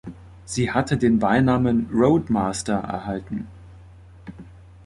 Sie hatte den Beinamen Roadmaster erhalten.